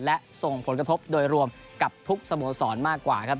และส่งผลกระทบโดยรวมกับทุกสโมสรมากกว่าครับ